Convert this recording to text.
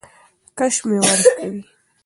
کش مي ورکوی .